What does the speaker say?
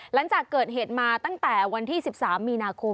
หลังจากเกิดเหตุมาตั้งแต่วันที่๑๓มีนาคม